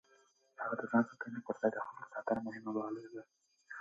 هغه د ځان ساتنې پر ځای د خلکو ساتنه مهمه بلله.